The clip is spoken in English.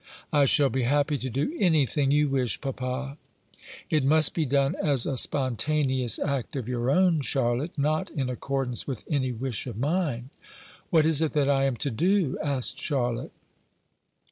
"I shall be happy to do anything you wish, papa." "It must be done as a spontaneous act of your own, Charlotte, not in accordance with any wish of mine." "What is it that I am to do?" asked Charlotte.